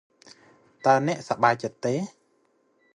តើអ្នកសប្បាយចិត្តទេ?